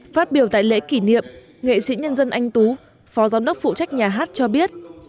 phát biểu tại lễ kỷ niệm nghệ sĩ nhân dân anh tú phó giám đốc phụ trách nhà hát cho biết